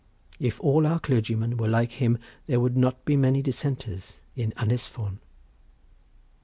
If all our clergymen were like him there would not be many Dissenters in Ynis Fon."